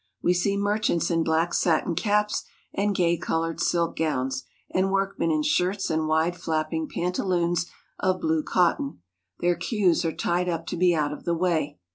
We see merchants in black satin caps and gay colored silk gowns, and workmen in shirts and wide flapping pantaloons of blue cotton. Their queues are tied up to be out of the way.